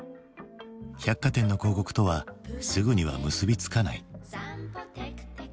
百貨店の広告とはすぐには結び付かない。